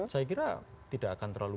saya kira tidak akan terlalu